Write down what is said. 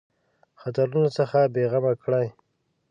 خطرونو څخه بېغمه کړي.